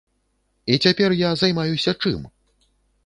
І цяпер я займаюся чым?